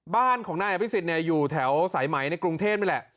บ้านของนายอภิษฎอยู่แถวสายไหมในกรุงเทพนี่แหละ